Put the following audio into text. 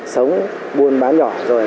sống buôn bán nhỏ rồi